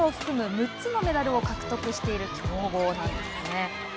６つのメダルを獲得している強豪なんですね。